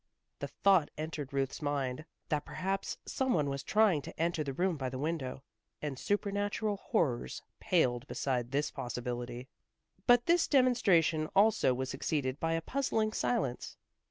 The thought entered Ruth's mind, that perhaps some one was trying to enter the room by the window, and supernatural horrors paled beside this possibility. But this demonstration also was succeeded by a puzzling silence.